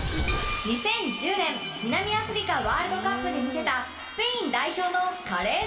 ２０１０年南アフリカワールドカップで見せたスペイン代表の華麗なパスサッカー